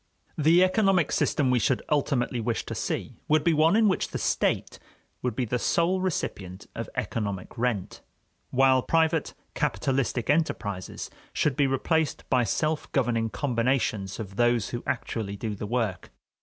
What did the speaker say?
The economic system we should ultimately wish to see would be one in which the state would be the sole recipient of economic rent, while private capitalistic enterprises should be replaced by self governing combinations of those who actually do the work.